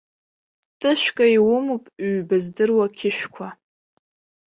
Тышәкәа иумоуп ҩба здыруа ақьышәқәа.